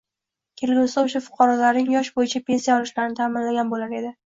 kelgusida o‘sha fuqarolarning yosh bo‘yicha pensiya olishlarini ta’minlagan bo‘lar edi